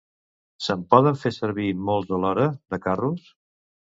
Se'n poden fer servir molts alhora, de carros?